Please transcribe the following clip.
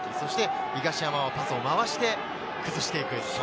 東山はパスを回して崩していく。